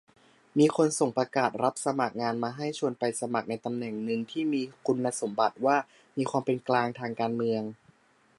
มีคนส่งประกาศรับสมัครงานมาให้ ชวนไปสมัครในตำแหน่งหนึ่งที่มีคุณสมบัติว่า "มีความเป็นกลางทางการเมือง"